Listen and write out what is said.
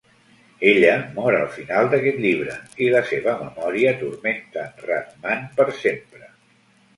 Ella mor al final d'aquest llibre, i la seva memòria turmenta en Rat-Man per sempre.